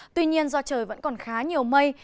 tuy nhiên do trời vẫn còn khá nhiều mây